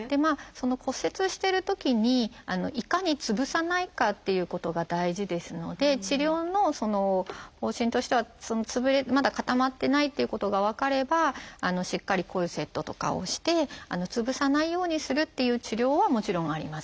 骨折してるときにいかにつぶさないかっていうことが大事ですので治療の方針としてはまだ固まってないということが分かればしっかりコルセットとかをしてつぶさないようにするという治療はもちろんあります。